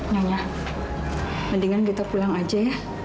nyanya mendingan kita pulang aja ya